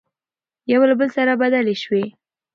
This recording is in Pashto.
يو له بل سره بدلې شوې،